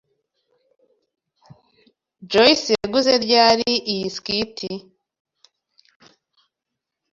Joyce yaguze ryari iyi skirt.